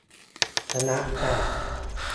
ชนะจร้า